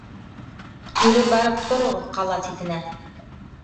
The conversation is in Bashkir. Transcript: Кире барып тороғоҙ ҡала ситенә!